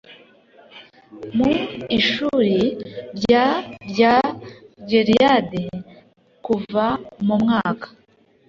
Mu ishuri rya rya gileyadi kuva mu mwaka